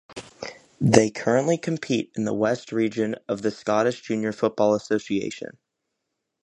They currently compete in the West Region of the Scottish Junior Football Association.